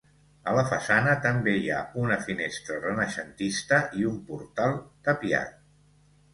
A la façana també hi ha una finestra renaixentista i un portal tapiat.